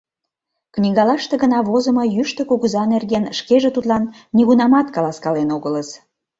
Книгалаште гына возымо Йӱштӧ Кугыза нерген шкеже тудлан нигунамат каласкален огылыс...